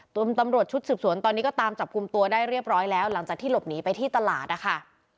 ตำรวจชุดสืบสวนตอนนี้ก็ตามจับกลุ่มตัวได้เรียบร้อยแล้วหลังจากที่หลบหนีไปที่ตลาดนะคะ